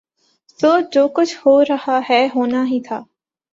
سو جو کچھ ہورہاہے ہونا ہی تھا۔